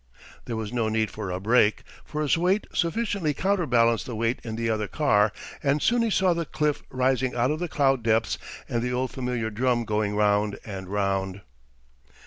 There was no need for a brake, for his weight sufficiently counterbalanced the weight in the other car; and soon he saw the cliff rising out of the cloud depths and the old familiar drum going round and round.